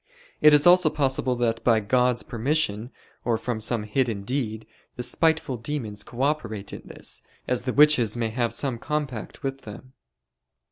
It is also possible that by God's permission, or from some hidden deed, the spiteful demons co operate in this, as the witches may have some compact with them.